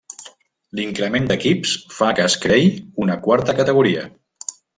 L'increment d'equips fa que es creï una quarta categoria.